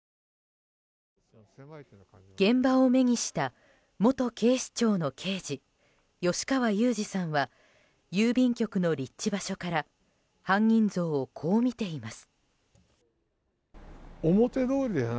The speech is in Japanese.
現場を目にした元警視庁の刑事吉川祐二さんは郵便局の立地場所から犯人像をこう見ています。